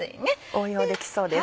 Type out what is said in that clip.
応用できそうです。